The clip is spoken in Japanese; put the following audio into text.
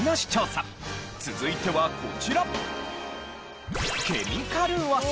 続いてはこちら。